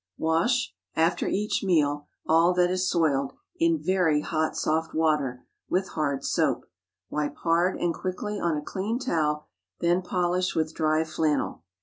Wash, after each meal, all that is soiled, in very hot soft water, with hard soap. Wipe hard and quickly on a clean towel; then polish with dry flannel.